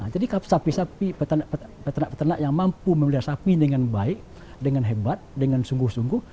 jadi sapi sapi peternak peternak yang mampu memelihara sapi dengan baik dengan hebat dengan sungguh sungguh